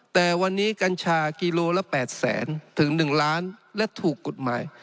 แต่วันนี้กัญชากิโลละ๘แสนถึง๑ล้านและถูกกฎหมาย